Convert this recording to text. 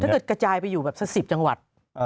ถ้าเกิดกระจายไปอยู่แบบสัก๑๐จังหวัด